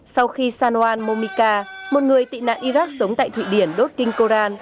sau khi sanoan momika một người tị nạn iraq sống tại thụy điển đốt kinh koran